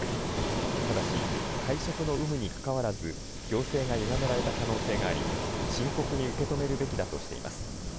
ただし会食の有無にかかわらず行政がゆがめられた可能性があり深刻に受け止めるべきだとしています。